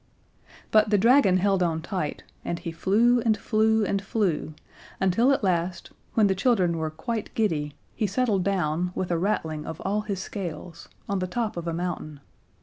But the dragon held on tight, and he flew and flew and flew until at last, when the children were quite giddy, he settled down, with a rattling of all his scales, on the top of a mountain.